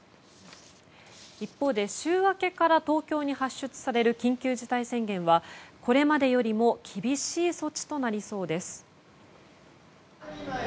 一方で週明けから東京に発出される緊急事態宣言は、これまでよりも厳しい措置となりそうです。